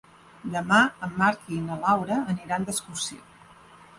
Demà en Marc i na Laura aniran d'excursió.